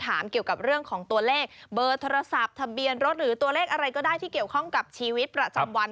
ถามเกี่ยวกับเรื่องของตัวเลขเบอร์โทรศัพท์ทะเบียนรถหรือตัวเลขอะไรก็ได้ที่เกี่ยวข้องกับชีวิตประจำวัน